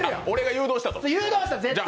誘導した、絶対に。